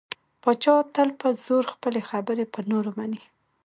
پاچا تل په زور خپلې خبرې په نورو مني .